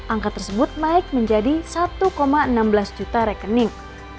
angka tersebut naik menjadi satu enam belas juta rekening